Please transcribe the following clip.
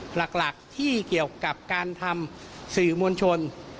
หลักที่เกี่ยวกับการทำสื่อมวลชน